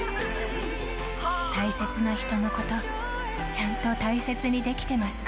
大切な人のこと、ちゃんと大切にできてますか？